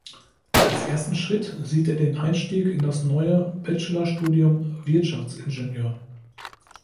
Als ersten Schritt sieht er den Einstieg in das neue Bachelor-Studium „Wirtschaftsingenieur“.